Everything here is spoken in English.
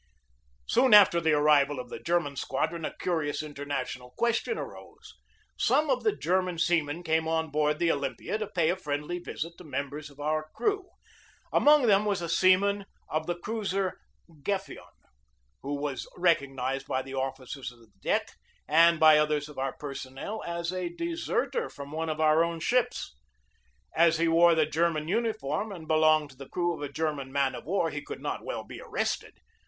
Soon after the arrival of the German squadron a curious international question arose. Some of the German seamen came on board the Olympia to pay a friendly visit to members of our crew. Among 1 82 GEORGE DEWEY them was a seaman of the cruiser Gefion, who was recognized by the officer of the deck and by others of our personnel as a deserter from one of our own ships. As he wore the German uniform and belonged to the crew of a German man of war, he could not well be arrested.